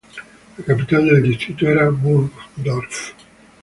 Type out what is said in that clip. La capital del distrito era Burgdorf.